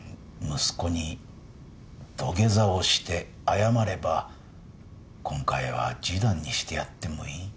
息子に土下座をして謝れば今回は示談にしてやってもいい。